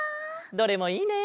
どれもいいね！